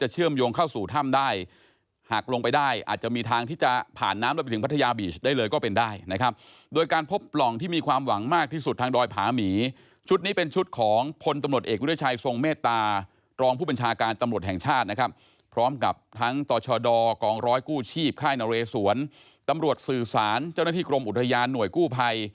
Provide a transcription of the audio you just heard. เชื่อมโยงเข้าสู่ถ้ำได้หากลงไปได้อาจจะมีทางที่จะผ่านน้ำแล้วไปถึงพัทยาบีชได้เลยก็เป็นได้นะครับโดยการพบปล่องที่มีความหวังมากที่สุดทางดอยผาหมีชุดนี้เป็นชุดของพลตำรวจเอกวิทยาชัยทรงเมตตารองผู้บัญชาการตำรวจแห่งชาตินะครับพร้อมกับทั้งต่อชดกองร้อยกู้ชีพค่ายนเรสวนตำรวจสื่อสารเจ้าหน้าที่กรมอุทยานหน่วยกู้ภัย